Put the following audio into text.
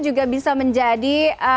juga bisa menjadi